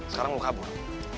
sekarang lu kabur